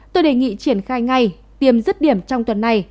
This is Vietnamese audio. tôi đề nghị triển khai ngay tiêm dứt điểm trong tuần này